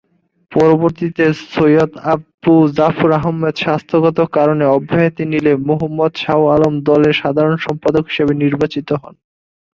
পরবর্তীতে সৈয়দ আবু জাফর আহমদ স্বাস্থ্যগত কারণে অব্যাহতি নিলে মোহাম্মদ শাহ আলম দলের সাধারণ সম্পাদক হিসেবে নির্বাচিত হন।